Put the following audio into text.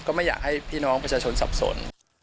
ก็ไม่อยากให้พี่น้องประชาชนสับสน